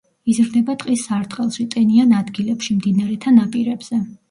იზრდება ტყის სარტყელში, ტენიან ადგილებში, მდინარეთა ნაპირებზე.